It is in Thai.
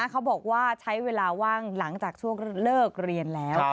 เขาบอกว่าใช้เวลาว่างหลังจากช่วงเลิกเรียนแล้ว